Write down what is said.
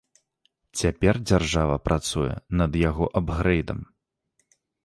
Цяпер дзяржава працуе над яго абгрэйдам.